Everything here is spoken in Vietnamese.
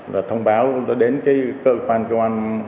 rồi thông báo đến cái cơ quan chung ăn